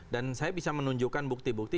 dan saya bisa menunjukkan bukti bukti